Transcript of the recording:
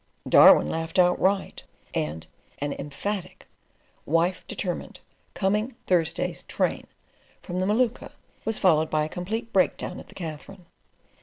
Darwin laughed outright, and an emphatic: "Wife determined, coming Tuesday's train," from the Maluka was followed by a complete breakdown at the Katherine.